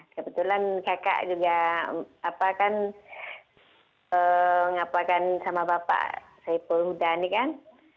kebetulan kakak juga ngapakan sama bapak saya perhuda ini kan